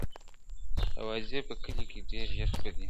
اوازې په کلي کي ډېر ژر خپرېږي,